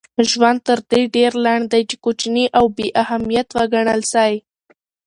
ژوند تر دې ډېر لنډ دئ، چي کوچني او بې اهمیت وګڼل سئ.